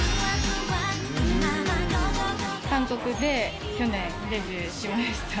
韓国で去年、デビューしました。